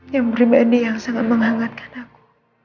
yang pribadi yang sangat menghangatkan aku